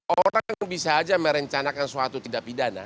orang bisa aja merencanakan suatu tindak pidana